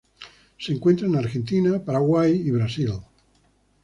Se encuentra en Argentina, Paraguay y Brasil.